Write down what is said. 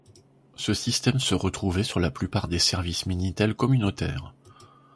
Ce système se retrouvait sur la plupart des services minitel communautaires.